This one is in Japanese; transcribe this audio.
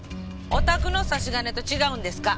お宅の差し金と違うんですか？